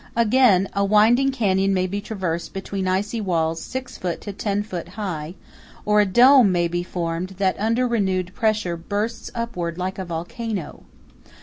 Again, a winding canyon may be traversed between icy walls 6 ft. to 10 ft. high, or a dome may be formed that under renewed pressure bursts upward like a volcano.